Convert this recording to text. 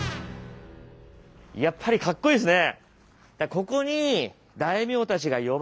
やっぱりかっこいいですね！